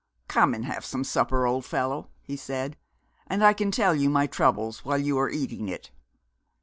'Come and have some supper, old fellow,' he said, 'and I can tell you my troubles while you are eating it.